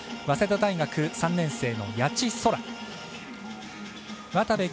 早稲田大学３年生の谷地宙。